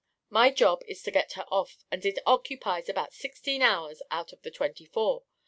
My job is to get her off, and it occupies about sixteen hours out of the twenty four.